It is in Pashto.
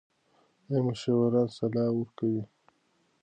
ایا مشاوران سلا ورکوي؟